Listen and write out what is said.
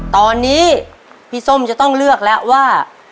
ตอนนี้พี่ส้มจะต้องเลือกแล้วว่า